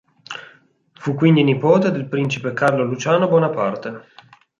Fu quindi nipote del principe Carlo Luciano Bonaparte.